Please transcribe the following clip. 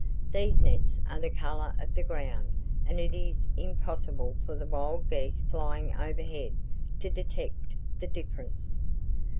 These nets are the color of the ground and it is impossible for the wild geese flying overhead to detect the difference.